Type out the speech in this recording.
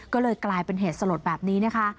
ก็เลยกลายเป็นเหตุสลดแบบนี้นะคะ